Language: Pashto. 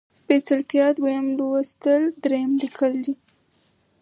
سپېڅلتيا ، دويم لوستل ، دريم ليکل دي